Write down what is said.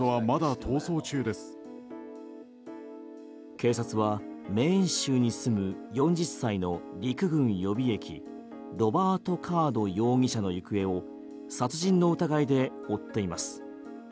警察はメーン州に住む４０歳の陸軍予備役ロバート・カード容疑者の行方を殺人の疑いで追っています。